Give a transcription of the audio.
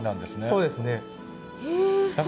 そうですね。